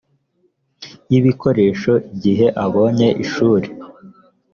y ibikoresho igihe abonye ishuri